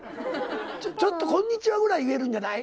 ちょっと「こんにちは」ぐらい言えるんじゃない？